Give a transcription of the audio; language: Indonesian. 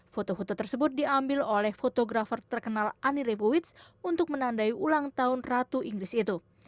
foto foto tersebut diambil oleh fotografer terkenal ani revo wits untuk menandai ulang tahun ratu inggris itu